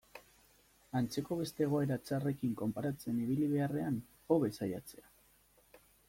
Antzeko beste egoera txarrekin konparatzen ibili beharrean, hobe saiatzea.